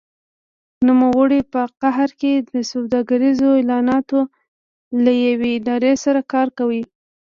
نوموړی په قاهره کې د سوداګریزو اعلاناتو له یوې ادارې سره کار کوي.